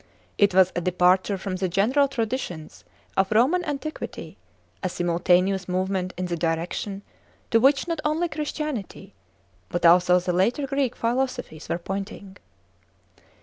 It was a departure from the general traditions of Roman antiquity, a simultaneous movement in the direction to which not only Christianity but also the later Greek philosophies were pointing.